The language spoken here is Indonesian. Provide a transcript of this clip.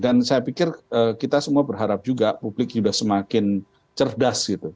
dan saya pikir kita semua berharap juga publik semakin cerdas